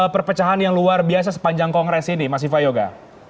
perpecahan yang luar biasa sepanjang kongres ini mas viva yoga